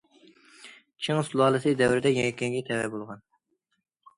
چىڭ سۇلالىسى دەۋرىدە يەكەنگە تەۋە بولغان.